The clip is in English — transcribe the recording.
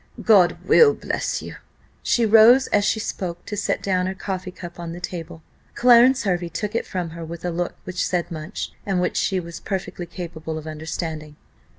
God will bless you!" She rose as she spoke, to set down her coffee cup on the table. Clarence Hervey took it from her with a look which said much, and which she was perfectly capable of understanding.